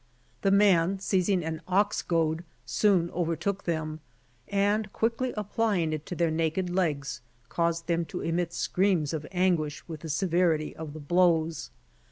The man, seizing an ox goad, soon overtook them, and quickly applying it to their naked legs caused themi to emit screams of anguish with the severity of the blows.